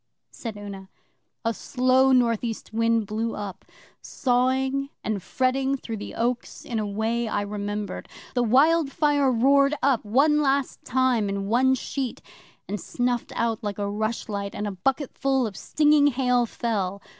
said Una. 'A slow North East wind blew up, sawing and fretting through the oaks in a way I remembered. The wildfire roared up, one last time in one sheet, and snuffed out like a rushlight, and a bucketful of stinging hail fell.